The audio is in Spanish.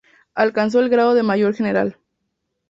Alcanzó el grado de mayor general.